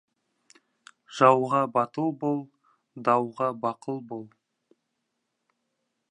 Жауға батыл бол, дауға бақыл бол.